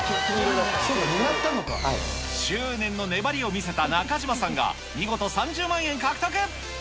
執念の粘りを見せた中島さんが、見事３０万円獲得。